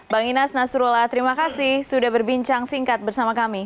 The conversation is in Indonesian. bang inas nasrullah terima kasih sudah berbincang singkat bersama kami